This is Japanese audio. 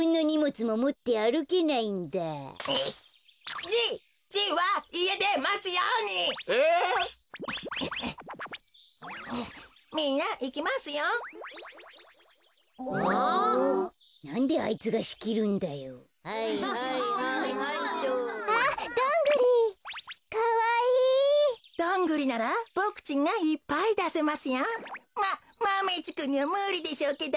まっマメ１くんにはむりでしょうけど。